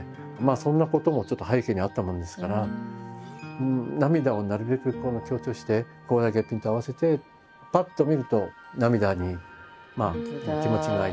そんなこともちょっと背景にあったものですから涙をなるべく強調してここだけピント合わせてパッと見ると涙に気持ちがいってね。